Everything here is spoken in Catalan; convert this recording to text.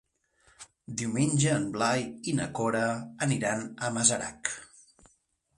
Diumenge en Blai i na Cora aniran a Masarac.